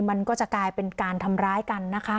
มันก็จะกลายเป็นการทำร้ายกันนะคะ